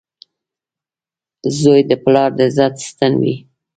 • زوی د پلار د عزت ستن وي.